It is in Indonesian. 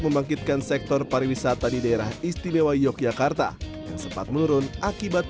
membangkitkan sektor pariwisata di daerah istimewa yogyakarta yang sempat menurun akibat